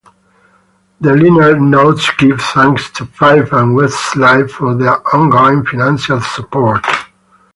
The liner notes give 'thanks' to Five and Westlife "for their ongoing financial support".